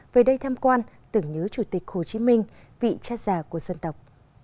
về đây tham quan tưởng nhớ chủ tịch hồ chí minh vị cha già của dân tộc